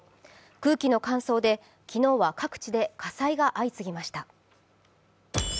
空気の乾燥で昨日は各地で火災が相次ぎました。